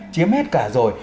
chiếm hết cả rồi